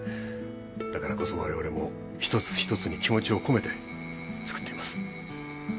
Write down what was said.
だからこそ我々も一つひとつに気持ちを込めて作っています。